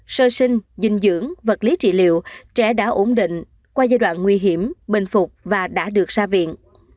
sơ sinh dưỡng vật lý trị liệu trẻ đã ổn định qua giai đoạn nguy hiểm bình phục và đã được ra viện